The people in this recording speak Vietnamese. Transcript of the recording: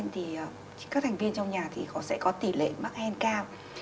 thì các thành viên trong nhà sẽ có tỷ lệ mắc hen cao